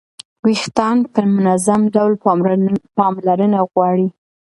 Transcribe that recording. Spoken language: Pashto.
ویښتان په منظم ډول پاملرنه غواړي.